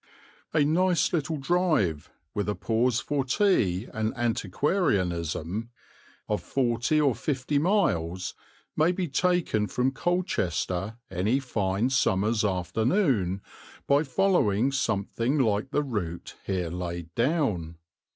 A nice little drive, with a pause for tea and antiquarianism, of forty or fifty miles may be taken from Colchester any fine summer's afternoon by following something like the route here laid down.